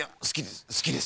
すきです。